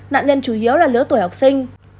nạn nhân chủ yếu là lứa tuổi học sinh